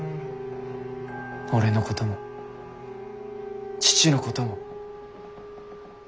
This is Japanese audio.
俺のことも父のことも。